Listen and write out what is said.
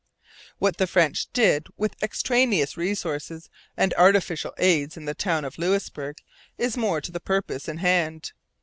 What the French did with extraneous resources and artificial aids in the town of Louisbourg is more to the purpose in hand.